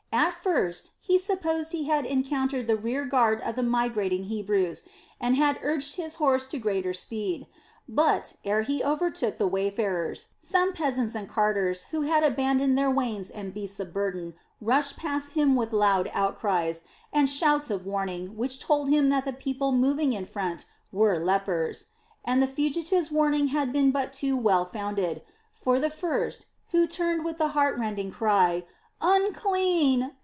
At first he supposed he had encountered the rear guard of the migrating Hebrews, and had urged his horse to greater speed. But, ere he overtook the wayfarers, some peasants and carters who had abandoned their wains and beasts of burden rushed past him with loud outcries and shouts of warning which told him that the people moving in front were lepers. And the fugitives' warning had been but too well founded; for the first, who turned with the heart rending cry: "Unclean!